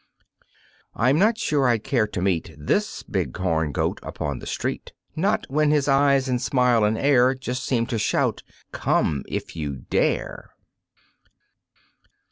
I am not sure I'd care to meet This Big Horn Goat upon the street. Not when his eyes and smile and air Just seem to shout: "Come, if you dare!'